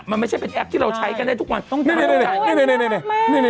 มันไม่ใช่เป็นแอปที่เราใช้กันได้ทุกวัน